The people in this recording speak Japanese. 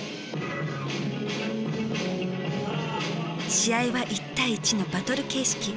試合は１対１のバトル形式。